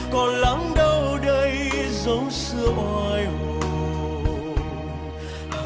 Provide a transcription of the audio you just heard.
còn lắng đâu đây giống xưa hoài hồ